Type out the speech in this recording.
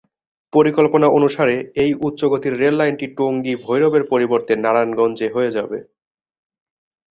পরিকল্পনা অনুসারে, এই উচ্চগতির রেল লাইনটি টঙ্গী-ভৈরবের পরিবর্তে নারায়ণগঞ্জে হয়ে যাবে।